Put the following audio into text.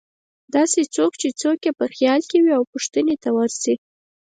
داسې څوک چې څوک یې په خیال کې وې او پوښتنې ته ورشي.